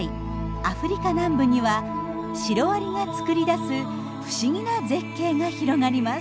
アフリカ南部にはシロアリが作り出す不思議な絶景が広がります。